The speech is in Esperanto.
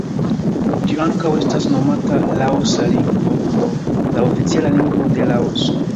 Ĝi ankaŭ estas nomata laosa lingvo pro la oficiala lingvo de Laoso.